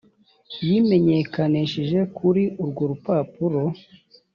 yimenyekanishije kuri urwo rupapuro .